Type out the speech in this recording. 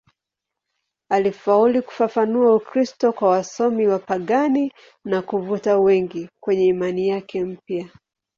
Alifaulu kufafanua Ukristo kwa wasomi wapagani na kuvuta wengi kwenye imani yake mpya.